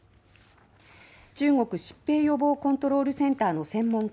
中国疾病予防コントロールセンターの専門家